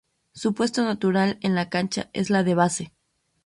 Su puesto natural en la cancha es la de base.